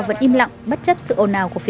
xác minh xem có đúng không